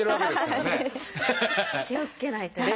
気をつけないと。